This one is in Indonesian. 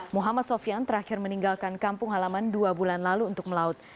muhammad sofian terakhir meninggalkan kampung halaman dua bulan lalu untuk melaut